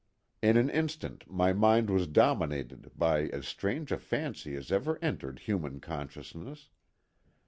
In an instant my mind was dominated by as strange a fancy as ever entered human consciousness.